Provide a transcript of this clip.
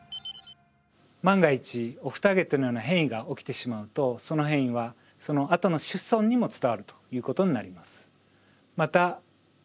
万が一オフターゲットのような変異が起きてしまうとその変異はそのあとの子孫にも伝わるということになります。